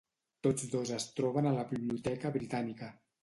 Tots dos es troben a la Biblioteca Britànica.